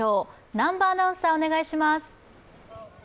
南波アナウンサー、お願いします。